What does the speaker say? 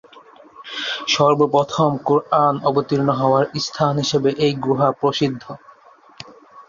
সর্বপ্রথম কুরআন অবতীর্ণ হওয়ার স্থান হিসেবে এই গুহা প্রসিদ্ধ।